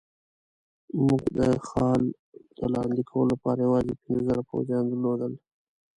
موږ د اخال د لاندې کولو لپاره یوازې پنځه زره پوځیان درلودل.